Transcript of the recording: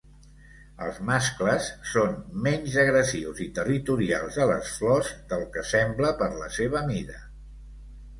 Els mascles són menys agressius i territorials a les flors del que sembla per la seva mida.